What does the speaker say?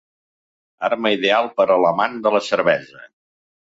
Arma ideal per a l'amant de la cervesa.